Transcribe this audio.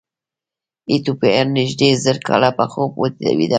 ایتوپیایان نږدې زر کاله په خوب ویده وو.